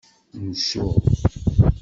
Nsuɣ.